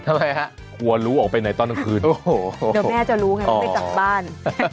ทำไมฮะกลัวรู้ออกไปไหนตอนกลางคืนโอ้โหเดี๋ยวแม่จะรู้ไงว่าไม่กลับบ้าน